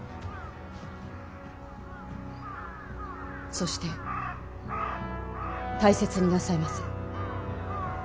そして大切になさいませ。